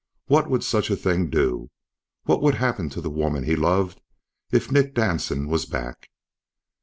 What would such a thing do? What would happen to the woman he loved, if Nick Danson was back?